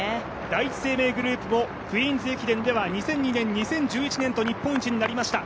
第一生命グループもクイーンズ駅伝では２００１年２００２年、２０１１年と日本一になりました。